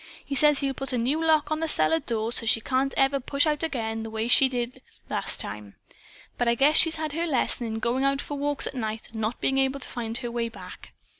"He says he'll put a new lock on the cellar door, so she can't ever push out again, the way she did, last time. But I guess she's had her lesson in going out for walks at night and not being able to find her way back.